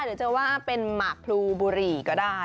หรือจะว่าเป็นหมากพลูบุหรี่ก็ได้